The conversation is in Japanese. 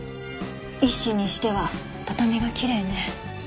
縊死にしては畳がきれいね。